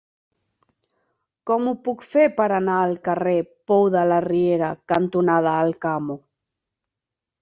Com ho puc fer per anar al carrer Pou de la Riera cantonada Alcamo?